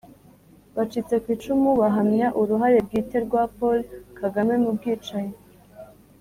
bacitse ku icumu bahamya uruhare bwite rwa paul kagame mu bwicanyi